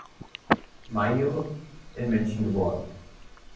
Mayr, in München geboren.